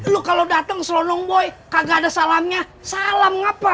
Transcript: lu kalau datang selonong boy kagak ada salamnya salam apa